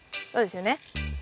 そうですよね？